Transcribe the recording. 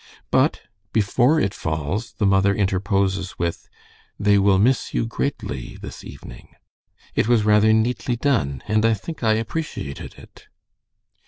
"But before it falls the mother interposes with 'They will miss you greatly this evening.' It was rather neatly done, and I think I appreciated it.